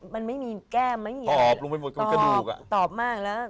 มันไม่มีแก้มอะไรอย่างเงี้ยตอบตอบมากแล้ว